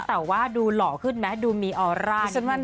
แต่ว่าดูหล่อขึ้นไหมดูมีออร่า